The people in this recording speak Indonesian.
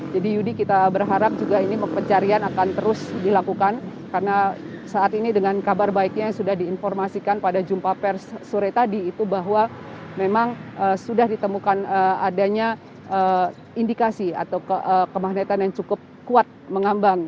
jadi yudi kita berharap juga ini pencarian akan terus dilakukan karena saat ini dengan kabar baiknya yang sudah diinformasikan pada jumpa persure tadi itu bahwa memang sudah ditemukan adanya indikasi atau kemah netan yang cukup kuat mengambang